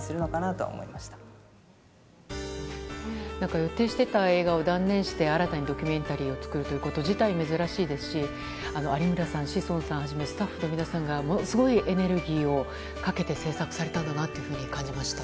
予定していた映画を断念して新たにドキュメンタリーを作るということ自体珍しいですし有村さん、志尊さんをはじめスタッフの皆さんがものすごいエネルギーをかけて制作されたんだなというふうに感じました。